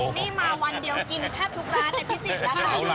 นี่มาวันเดียวกินแทบทุกร้าน